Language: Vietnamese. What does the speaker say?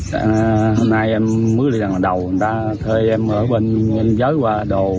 hôm nay em mứa đi lần đầu người ta thuê em ở bên kia biên giới qua đồ